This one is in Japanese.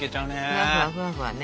ふわふわふわふわね。